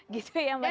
gitu ya mbak titi